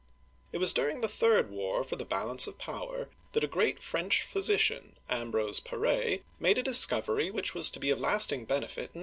It was during the Third War for the Balance of Power that a great French physician, Ambrose Par6 (pa ra'), made a discovery which was to be of lasting benefit in Digitized by Google FRANCIS I.